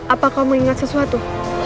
apa kau mengingat sesuatu